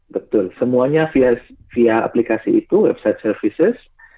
betul semuanya via aplikasi itu website services